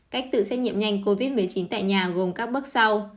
cách tự xét nghiệm nhanh covid một mươi chín tại nhà gồm các bước sau